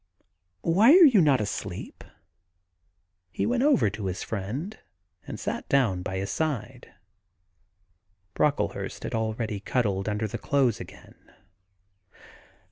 ... Why are you not asleep?' He went over to his friend, and sat down by his side. Brockle hurst had already cuddled under the clothes again.